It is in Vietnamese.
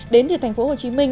đến từ thành phố hồ chí minh